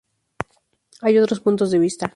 Hay otros puntos de vista.